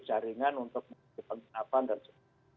saringan untuk penghentapan dan sebagainya